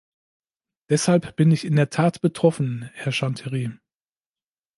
Deshalb bin ich in der Tat betroffen, Herr Chanterie!